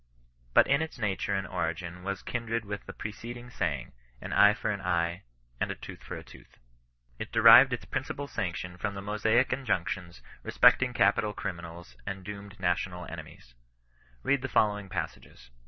But in its nature and origin it was kindred with the preceding saying, " an eye fo^^a^ eye, and a tooth for a tooth." Xt dexWft^ VXi^ ^groi^sfi^'iiX 32 OHUSTIAir NON RESISTAirOE. MBction from the Mosaic injunctions respecting capital criminals and doomed national enemies. Bead the fol lowing passages.